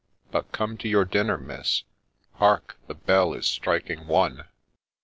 — But come to your dinner, Miss ! Hark ! the bell is striking One